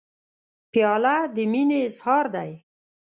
پیاله د مینې اظهار دی.